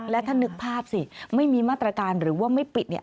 และถ้านึกภาพสิไม่มีมาตรการหรือว่าไม่ปิดเนี่ย